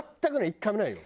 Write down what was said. １回もないよ。